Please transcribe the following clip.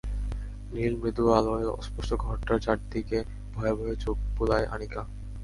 নীল মৃদু আলোয় অস্পষ্ট ঘরটার চারদিকে ভয়ে ভয়ে চোখ বুলায় আনিকা।